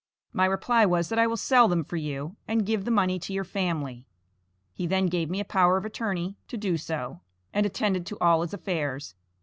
My reply was that I will sell them for you, and give the money to your family. He then gave me a power of attorney to do so, and attended to all his affairs.